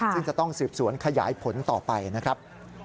ซึ่งจะต้องสืบสวนขยายผลต่อไปนะครับ